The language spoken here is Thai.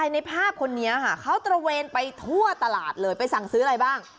ในภาพคนนี้ค่ะเขาตระเวนไปทั่วตลาดเลยไปสั่งซื้ออะไรบ้าง